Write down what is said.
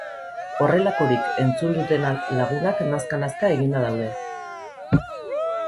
Horrelakorik entzun dutena lagunak nazka-nazka eginda daude.